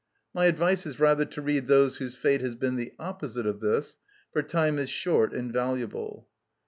My advice is rather to read those whose fate has been the opposite of this, for time is short and valuable.